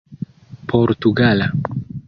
portugala